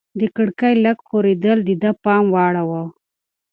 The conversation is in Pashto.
د کړکۍ لږ ښورېدل د ده پام واړاوه.